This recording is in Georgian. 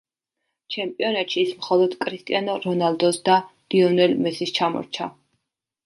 ჩემპიონატში ის მხოლოდ კრისტიანო რონალდოს და ლიონელ მესის ჩამორჩა.